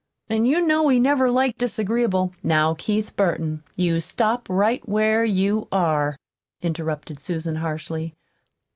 An' you know he never liked disagreeable " "Now, Keith Burton, you stop right where you are," interrupted Susan harshly.